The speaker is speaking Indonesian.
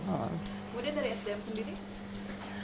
kemudian dari sdm sendiri